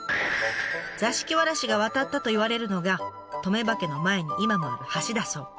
座敷わらしが渡ったといわれるのが留場家の前に今もある橋だそう。